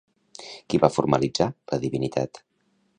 Qui va formalitzar la divinitat?